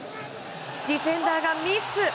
ディフェンダーがミス。